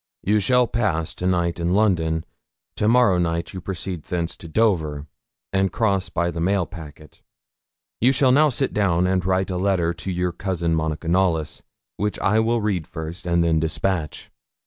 You shall pass to night in London; to morrow night you proceed thence to Dover, and cross by the mail packet. You shall now sit down and write a letter to your cousin Monica Knollys, which I will first read and then despatch.